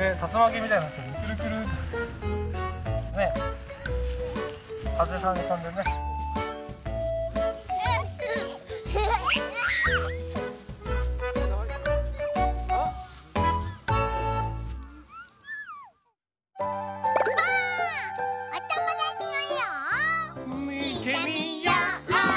みてみよう！